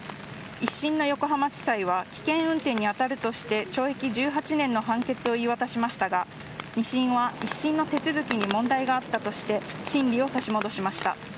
１審の横浜地裁は危険運転に当たるとして懲役１８年の判決を言い渡しましたが２審は１審の手続きに問題があったとして審理を差し戻しました。